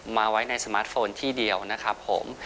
มาไว้ในสมาร์ทโฟนที่เดียวนะครับผม